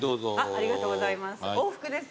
ありがとうございます。